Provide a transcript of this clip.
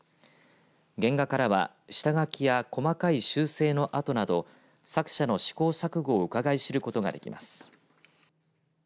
原画からは下書きや細かい修正の跡など作者の試行錯誤をうかがい知ることができます。